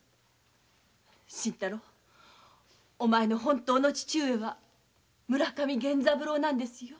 新太郎お前の本当の父上は村上源三郎なのですよ。